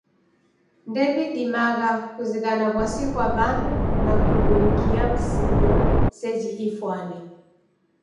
Ndewidimagha kuzighana w'asi ghwa w'andu na kughudukia msigo seji ifwane.